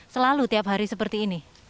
selalu tiap hari seperti ini